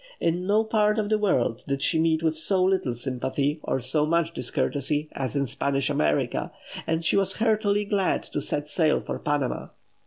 In no part of the world did she meet with so little sympathy or so much discourtesy as in Spanish America, and she was heartily glad to set sail for Panama.